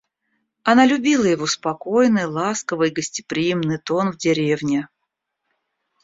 Она любила его спокойный, ласковый и гостеприимный тон в деревне.